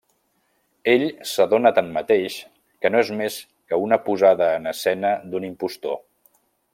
Ell s'adona tanmateix que no és més que una posada en escena d'un impostor.